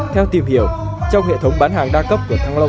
theo tìm hiểu trong hệ thống bán hàng đa cấp